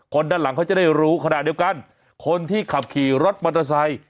คนด้านหลังเขาจะได้รู้ขนาดเดียวกันคนที่ขับขี่รถปัจจัย